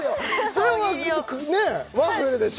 それはねえワッフルでしょ？